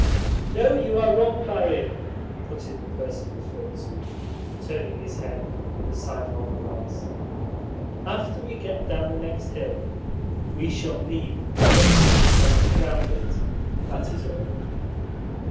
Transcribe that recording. "No, you are wrong, barin," put in the person referred to, turning his head with a sidelong glance. "After we get down the next hill we shall need but to keep bending round it. That is all."